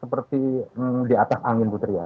seperti di atas angin putri ya